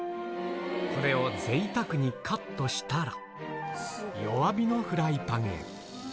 これをぜいたくにカットしたら、弱火のフライパンへ。